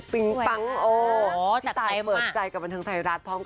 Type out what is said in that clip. พี่แต่ย์เปิดใจกับบรรทังไทยรัฐ